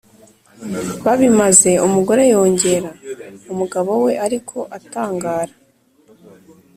Babimaze umugore yongera umugabo we ariko atangara,